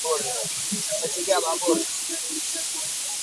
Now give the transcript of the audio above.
Newton described force as the ability to cause a mass to accelerate.